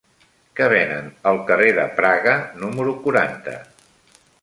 Què venen al carrer de Praga número quaranta?